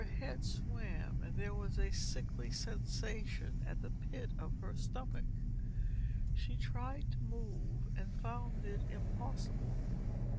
Her head swam and there was a sickly sensation at the pit of her stomach. She tried to move, and found it impossible.